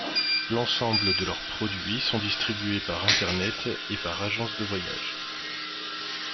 L'ensemble de leurs produits sont distribués par internet et par agence de voyages.